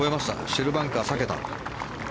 シェルバンカーを避けた。